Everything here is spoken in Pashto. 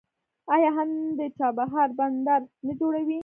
آیا هند د چابهار بندر نه جوړوي؟